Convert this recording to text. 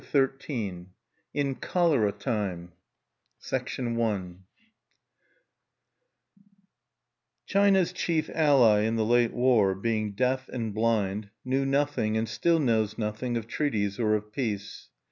XIII IN CHOLERA TIME I China's chief ally in the late war, being deaf and blind, knew nothing, and still knows nothing, of treaties or of peace.